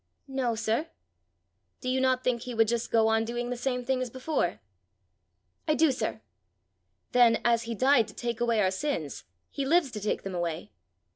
"No, sir." "Do you not think he would just go on doing the same thing as before?" "I do, sir." "Then, as he died to take away our sins, he lives to take them away!"